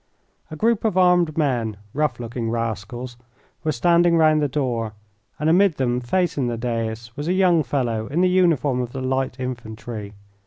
A group of armed men rough looking rascals were standing round the door, and amid them facing the dais was a young fellow in the uniform of the light infantry.